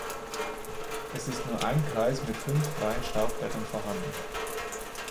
Es ist nur ein Kreis mit fünf freien Staubblättern vorhanden.